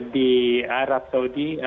di arab saudi